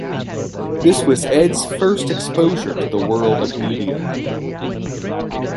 This was Ed's first exposure to the world of media.